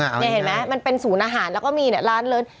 นี่เห็นไหมมันเป็นศูนย์อาหารแล้วก็มีเนี่ยร้านเลิศ